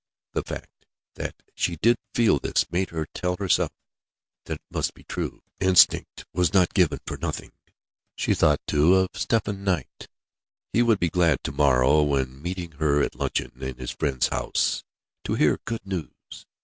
The fact that she did feel this, made her tell herself that it must be true. Instinct was not given for nothing! She thought, too, of Stephen Knight. He would be glad to morrow, when meeting her at luncheon in his friend's house, to hear good news.